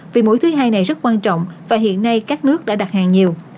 vì mối thứ hai này rất quan trọng và hiện nay các nước đã đặt hàng nhiều